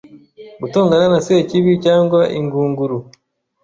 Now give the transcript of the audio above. gutongana na Sekibi cyangwa ingunguru